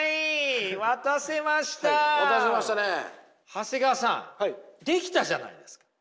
長谷川さんできたじゃないですか！